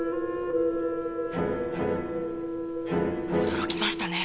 驚きましたね。